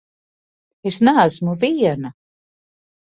Es neesmu viena!